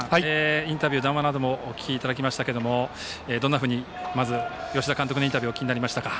インタビュー、談話などもお聞きいただきましたけれどもどんなふうに、まず吉田監督のインタビューをお聞きになりましたか？